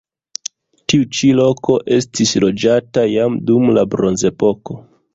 Tiu ĉi loko estis loĝata jam dum la bronzepoko.